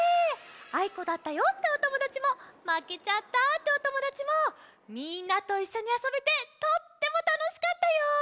あいこだったよっておともだちもまけちゃったっておともだちもみんなといっしょにあそべてとってもたのしかったよ！